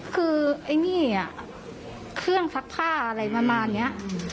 คือไอ้นี่เครื่องซักผ้าอะไรประมาณนี้